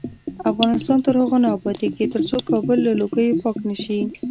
افغانستان تر هغو نه ابادیږي، ترڅو کابل له لوګیو پاک نشي.